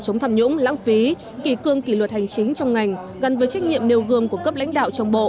thủ tướng thầm nhũng lãng phí kỳ cương kỳ luật hành chính trong ngành gắn với trách nhiệm nêu gương của cấp lãnh đạo trong bộ